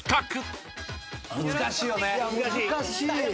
難しいよね。